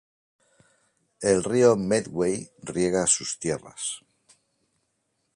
El río Medway riega sus tierras.